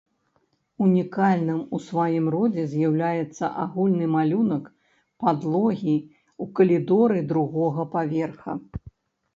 Унікальным у сваім родзе з'яўляецца агульны малюнак падлогі ў калідоры другога паверха.